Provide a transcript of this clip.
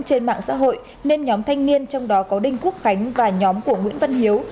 trên mạng xã hội nên nhóm thanh niên trong đó có đinh quốc khánh và nhóm của nguyễn văn hiếu